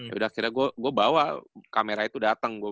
ya udah akhirnya gua bawa kamera itu dateng